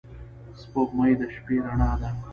• سپوږمۍ د شپې رڼا ده.